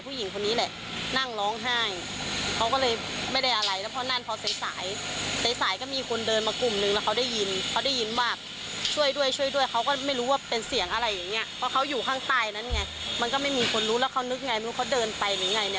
ไปโทรแจ้งกำรวจแจ้งอะไรอย่างนี้